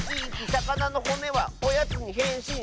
「さかなのほねはおやつにへんしん」